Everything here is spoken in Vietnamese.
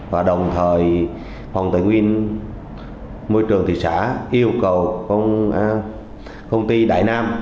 và đồng thời phòng tài nguyên môi trường thị xã yêu cầu công ty đại nam